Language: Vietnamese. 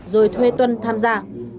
rồi thuê tuân tham gia